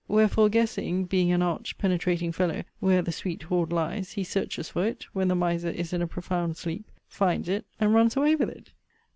Wherefore guessing (being an arch, penetrating fellow) where the sweet hoard lies, he searches for it, when the miser is in a profound sleep, finds it, and runs away with it.